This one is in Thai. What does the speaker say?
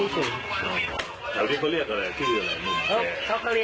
เจ้าที่๑๐๐๐